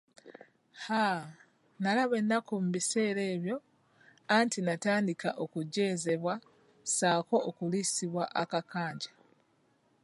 Haaa! Nalaba ennaku mu biseera ebyo anti natandika okujeezebwa, ssaako okuliisibwa akakanja.